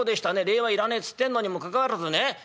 礼はいらねえって言ってんのにもかかわらずね